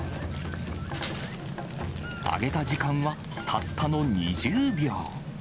揚げた時間はたったの２０秒。